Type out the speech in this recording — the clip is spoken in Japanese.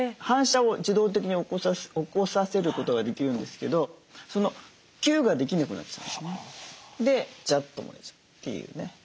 反射を自動的に起こさせることができるんですけどそのキュッができなくなっちゃうんですね。